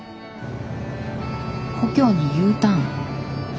故郷にＵターン出戻り？